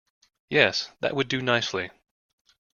Yes, that would do nicely.